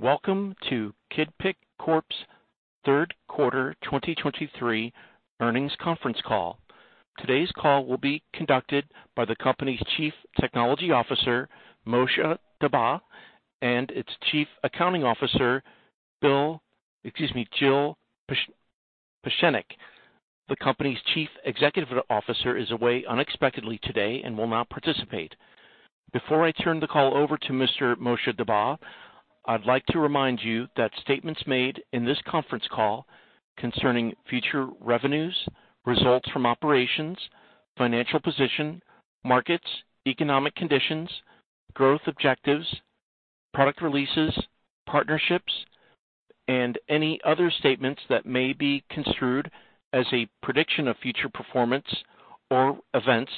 Welcome to Kidpik Corp.'s third quarter 2023 earnings conference call. Today's call will be conducted by the company's Chief Technology Officer, Moshe Dabah, and its Chief Accounting Officer, Excuse me, Jill Pasechnick. The company's Chief Executive Officer is away unexpectedly today and will not participate. Before I turn the call over to Mr. Moshe Dabah, I'd like to remind you that statements made in this conference call concerning future revenues, results from operations, financial position, markets, economic conditions, growth objectives, product releases, partnerships, and any other statements that may be construed as a prediction of future performance or events,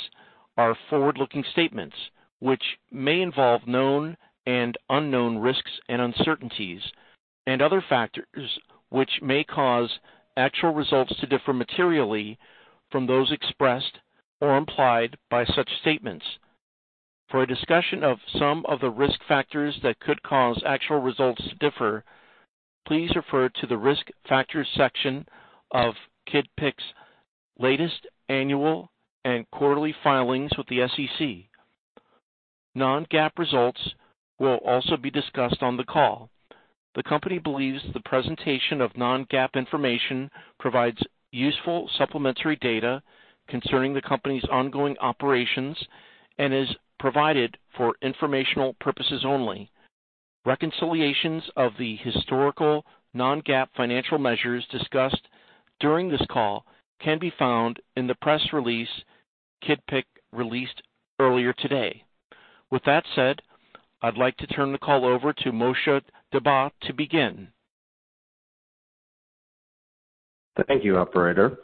are forward-looking statements which may involve known and unknown risks and uncertainties, and other factors which may cause actual results to differ materially from those expressed or implied by such statements. For a discussion of some of the risk factors that could cause actual results to differ, please refer to the Risk Factors section of Kidpik's latest annual and quarterly filings with the SEC. non-GAAP results will also be discussed on the call. The company believes the presentation of non-GAAP information provides useful supplementary data concerning the company's ongoing operations and is provided for informational purposes only. Reconciliations of the historical non-GAAP financial measures discussed during this call can be found in the press release Kidpik released earlier today. With that said, I'd like to turn the call over to Moshe Dabah to begin. Thank you, operator.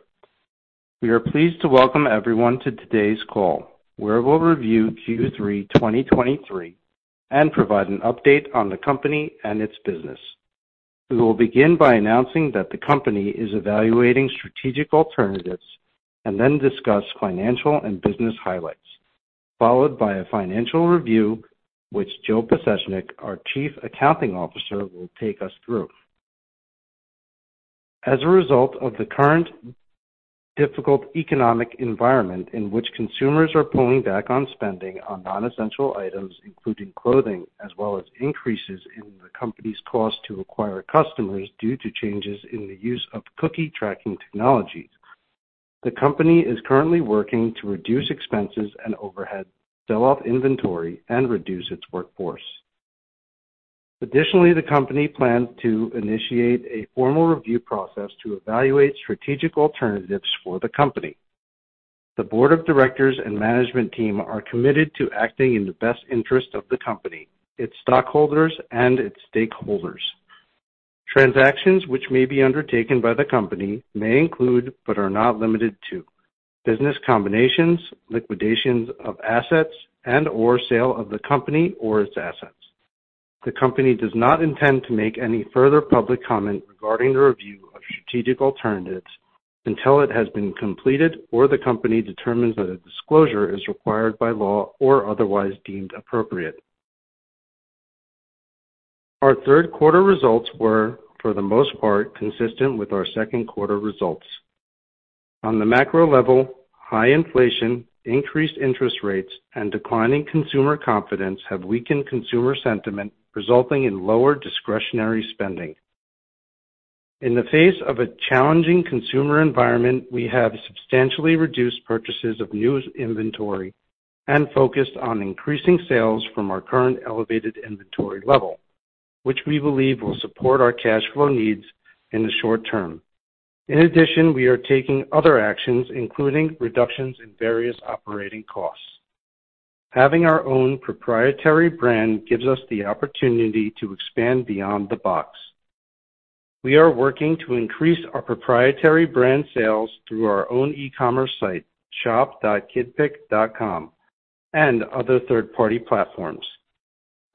We are pleased to welcome everyone to today's call, where we'll review Q3 2023 and provide an update on the company and its business. We will begin by announcing that the company is evaluating strategic alternatives and then discuss financial and business highlights, followed by a financial review, which Jill Pasechnick, our Chief Accounting Officer, will take us through. As a result of the current difficult economic environment in which consumers are pulling back on spending on non-essential items, including clothing, as well as increases in the company's cost to acquire customers due to changes in the use of cookie tracking technologies, the company is currently working to reduce expenses and overhead, sell off inventory and reduce its workforce. Additionally, the company plans to initiate a formal review process to evaluate strategic alternatives for the company. The board of directors and management team are committed to acting in the best interest of the company, its stockholders, and its stakeholders. Transactions which may be undertaken by the company may include, but are not limited to, business combinations, liquidations of assets, and/or sale of the company or its assets. The company does not intend to make any further public comment regarding the review of strategic alternatives until it has been completed or the company determines that a disclosure is required by law or otherwise deemed appropriate. Our third quarter results were, for the most part, consistent with our second quarter results. On the macro level, high inflation, increased interest rates, and declining consumer confidence have weakened consumer sentiment, resulting in lower discretionary spending. In the face of a challenging consumer environment, we have substantially reduced purchases of new inventory and focused on increasing sales from our current elevated inventory level, which we believe will support our cash flow needs in the short term. In addition, we are taking other actions, including reductions in various operating costs. Having our own proprietary brand gives us the opportunity to expand beyond the box. We are working to increase our proprietary brand sales through our own e-commerce site, shop.kidpik.com, and other third-party platforms.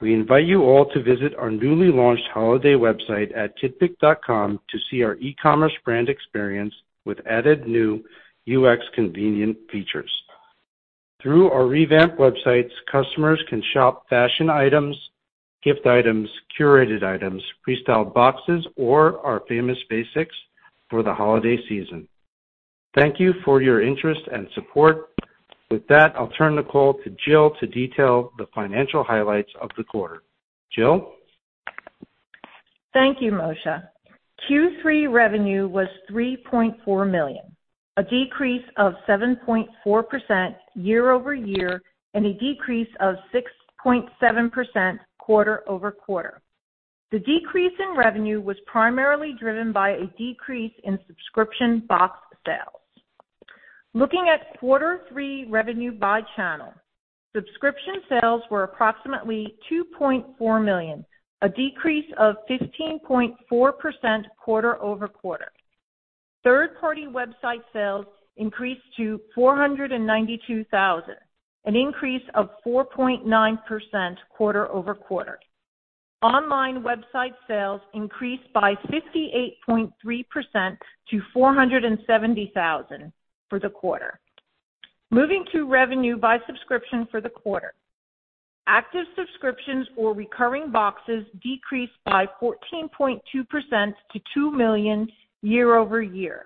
We invite you all to visit our newly launched holiday website at kidpik.com to see our e-commerce brand experience with added new UX convenient features. Through our revamped websites, customers can shop fashion items, gift items, curated items, pre-styled boxes, or our famous basics for the holiday season. Thank you for your interest and support. With that, I'll turn the call to Jill to detail the financial highlights of the quarter. Jill? Thank you, Moshe. Q3 revenue was $3.4 million, a decrease of 7.4% year-over-year, and a decrease of 6.7% quarter-over-quarter. The decrease in revenue was primarily driven by a decrease in subscription box sales. Looking at quarter three revenue by channel, subscription sales were approximately $2.4 million, a decrease of 15.4% quarter-over-quarter. Third-party website sales increased to $492,000, an increase of 4.9% quarter-over-quarter. Online website sales increased by 58.3% to $470,000 for the quarter.... Moving to revenue by subscription for the quarter. Active subscriptions or recurring boxes decreased by 14.2% to $2 million year-over-year.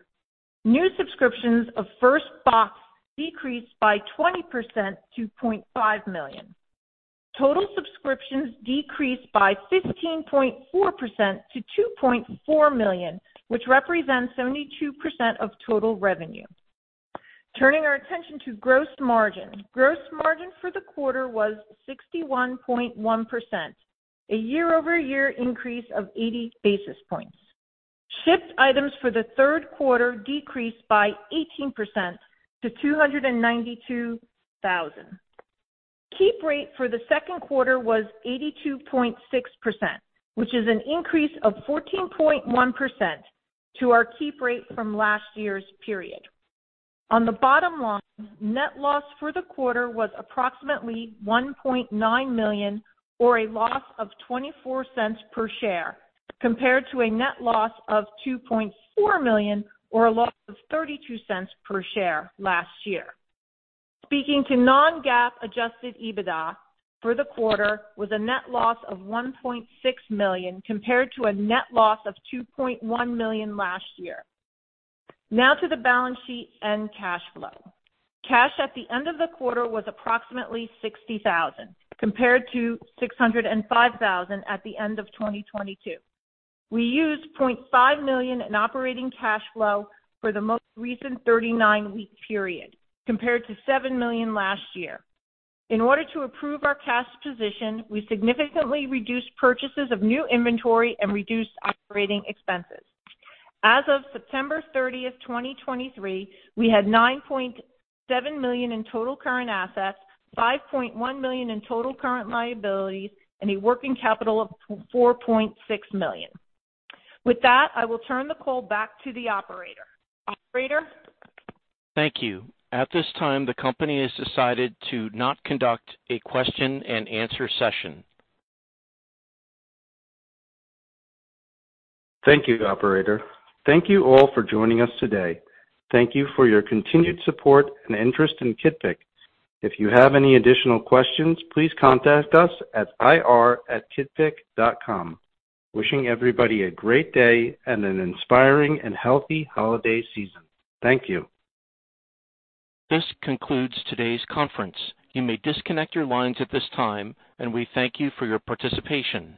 New subscriptions of first box decreased by 20% to $0.5 million. Total subscriptions decreased by 15.4% to 2.4 million, which represents 72% of total revenue. Turning our attention to gross margin. Gross margin for the quarter was 61.1%, a year-over-year increase of 80 basis points. Shipped items for the third quarter decreased by 18% to 292,000. Keep rate for the second quarter was 82.6%, which is an increase of 14.1% to our keep rate from last year's period. On the bottom line, net loss for the quarter was approximately $1.9 million, or a loss of $0.24 per share, compared to a net loss of $2.4 million, or a loss of $0.32 per share last year. Speaking to non-GAAP adjusted EBITDA for the quarter, with a net loss of $1.6 million, compared to a net loss of $2.1 million last year. Now to the balance sheet and cash flow. Cash at the end of the quarter was approximately $60,000, compared to $605,000 at the end of 2022. We used $0.5 million in operating cash flow for the most recent 39-week period, compared to $7 million last year. In order to improve our cash position, we significantly reduced purchases of new inventory and reduced operating expenses. As of September 30th, 2023, we had $9.7 million in total current assets, $5.1 million in total current liabilities, and a working capital of $4.6 million. With that, I will turn the call back to the operator. Operator? Thank you. At this time, the company has decided to not conduct a question and answer session. Thank you, Operator. Thank you all for joining us today. Thank you for your continued support and interest in Kidpik. If you have any additional questions, please contact us at ir@kidpik.com. Wishing everybody a great day and an inspiring and healthy holiday season. Thank you. This concludes today's conference. You may disconnect your lines at this time, and we thank you for your participation.